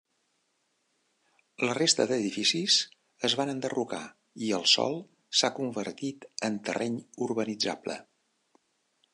La resta d'edificis es van enderrocar i el sòl s'ha convertit en terreny urbanitzable.